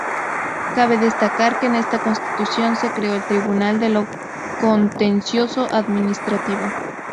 Cabe destacar que en esta Constitución se creó el Tribunal de lo Contencioso Administrativo.